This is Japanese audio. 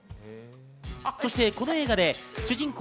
そしてこの映画で主人公